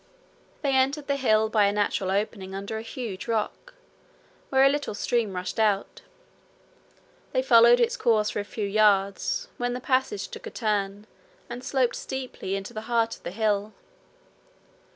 They entered the hill by a natural opening under a huge rock, where a little stream rushed out. They followed its course for a few yards, when the passage took a turn, and sloped steeply into the heart of the hill.